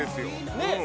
ねえ？